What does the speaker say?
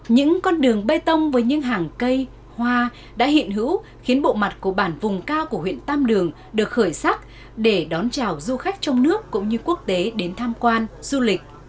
những con đường bê tông với những hàng cây hoa đã hiện hữu khiến bộ mặt của bản vùng cao của huyện tam đường được khởi sắc để đón chào du khách trong nước cũng như quốc tế đến tham quan du lịch